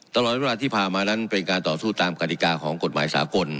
ตลอดเวลาที่ผ่านมานั้นเป็นการต่อสู้ตามกฎิกาของกฎหมายสากล